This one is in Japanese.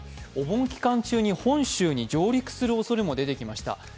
お盆期間中に本州に上陸するおそれも出てきました。